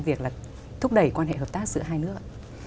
việc là thúc đẩy quan hệ hợp tác giữa hai nước